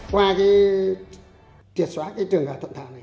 qua triệt xóa trường gà thuận thảo này